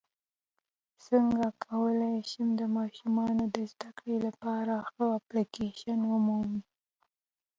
څنګه کولی شم د ماشومانو د زدکړې لپاره ښه اپلیکیشن ومومم